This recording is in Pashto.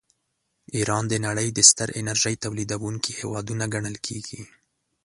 ایران د نړۍ د ستر انرژۍ تولیدونکي هېوادونه ګڼل کیږي.